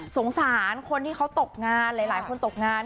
สงสารคนที่เขาตกงานหลายคนตกงาน